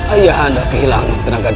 ayah anda kehilangan tenaga